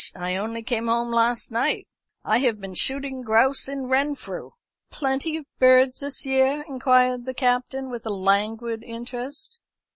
I only came home last night; I have been shooting grouse in Renfrew." "Plenty of birds this year?" inquired the Captain, with a languid interest.